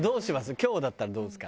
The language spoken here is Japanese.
今日だったらどうですか？